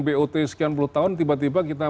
bot sekian puluh tahun tiba tiba kita